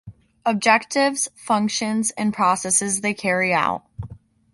Objectives, functions and processes they carry out.